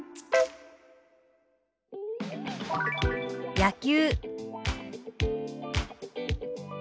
「野球」。